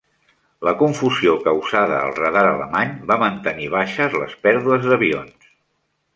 La confusió causada al radar alemany va mantenir baixes les pèrdues d'avions.